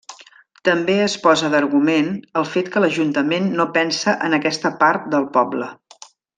També es posa d'argument el fet que l'ajuntament no pensa en aquesta part del poble.